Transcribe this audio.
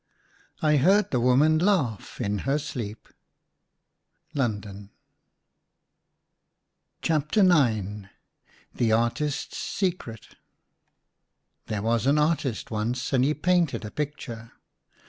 I heard the woman laugh in her sleep. London. THE ARTIST'S SECRET. THE ARTISTS SECRET. HERE was an artist once, and he painted a picture.